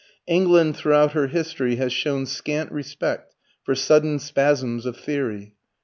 England, throughout her history, has shown scant respect for sudden spasms of theory.